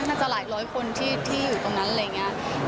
น่าจะหลายร้อยคนที่อยู่ตรงนั้นอะไรอย่างนี้